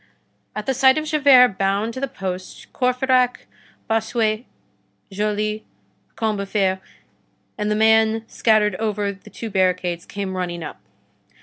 At the sight of Javert bound to the post, Courfeyrac, Bossuet, Joly, Combeferre, and the men scattered over the two barricades came running up.